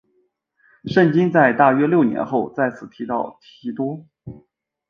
圣经在大约六年后再次提到提多。